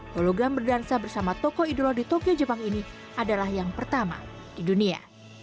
hologan berdansa bersama tokoh idola di tokyo jepang ini adalah yang pertama di dunia